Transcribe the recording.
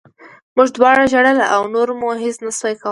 موږ دواړو ژړل او نور مو هېڅ نه شول کولی